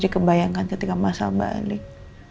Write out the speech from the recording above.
jadi kebayangkan ketika maksal balik